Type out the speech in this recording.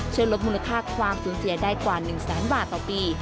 ช่วยลดมูลค่าความสูญเสียได้กว่า๑แสนบาทต่อปี